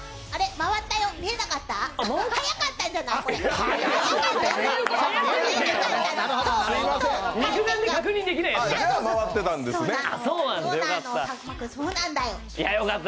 回ったよ、見えなかった？